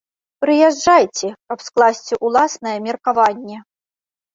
Прыязджайце, каб скласці ўласнае меркаванне!